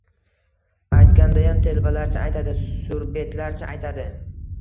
Aytgandayam, telbalarcha aytadi, surbetlarcha aytadi.